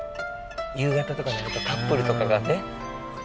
夕方とかになるとカップルとかがね。